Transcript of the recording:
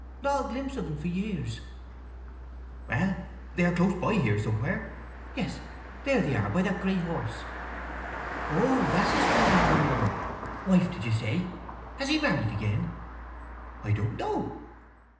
"No. Not a glimpse of un for years!" "Well, they are close by here somewhere. Yes—there they are—by that grey horse!" "Oh, that's his present young woman—wife did you say? Has he married again?" "I don't know."